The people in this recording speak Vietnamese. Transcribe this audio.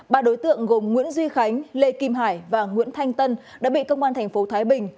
ba đối tượng gồm nguyễn duy khánh lê kim hải và nguyễn thanh tân đã bị công an thành phố thái bình